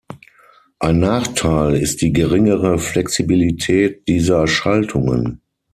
Ein Nachteil ist die geringere Flexibilität dieser Schaltungen.